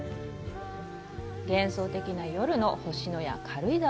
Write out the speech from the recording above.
幻想的な夜の星のや軽井沢。